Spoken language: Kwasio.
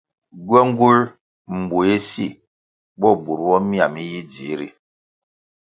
Gywenguē mbuéh si bo bur bo mia mi yi dzihri.